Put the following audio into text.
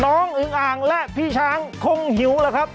อึงอ่างและพี่ช้างคงหิวแล้วครับ